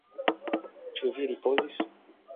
Ĉu vi ripozis?